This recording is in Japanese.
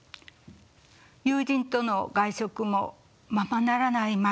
友人との外食もままならない毎日です。